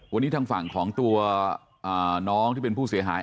วันนี้ทางฝั่งของตัวน้องที่เป็นผู้เสียหาย